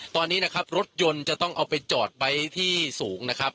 ตอนนี้นะครับรถยนต์จะต้องเอาไปจอดไว้ที่สูงนะครับ